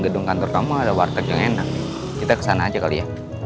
gedung kantor kamu ada warteg yang enak kita kesana aja kali ya